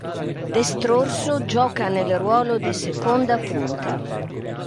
Destrorso, gioca nel ruolo di seconda punta.